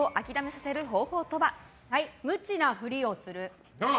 無知なふりをする。